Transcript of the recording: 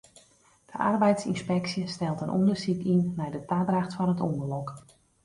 De arbeidsynspeksje stelt in ûndersyk yn nei de tadracht fan it ûngelok.